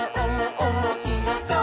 おもしろそう！」